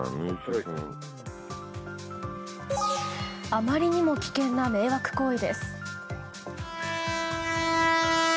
あまりにも危険な迷惑行為です。